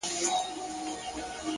د تمرکز دوام بریا ته لاره هواروي,